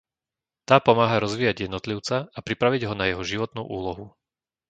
Tá pomáha rozvíjať jednotlivca a pripraviť ho na jeho životnú úlohu.